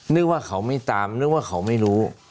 นึกว่าเขาไม่ตามนึกว่าเขาไม่รู้